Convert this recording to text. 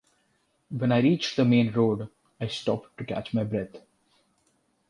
When I reached the main road, I stopped to catch my breath.